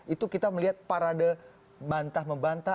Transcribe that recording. itu kita melihat parade bantah membantah